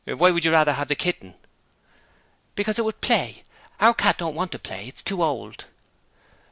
'Why would you rather have the kitten?' 'Because it would play: our cat don't want to play, it's too old.'